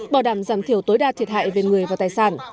bảo đảm giảm thiểu tối đa thiệt hại về người và tài sản